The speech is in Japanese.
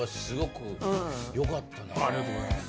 ありがとうございます。